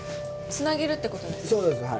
つなげるって事ですか？